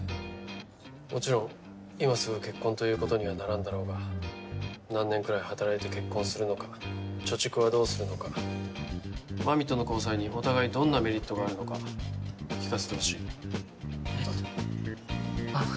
もちろん今すぐ結婚ということにはならんだろうが何年くらい働いて結婚するのか貯蓄はどうするのか麻美との交際にお互いどんなメリットがあるのか聞かせてほしいえっとあっえっと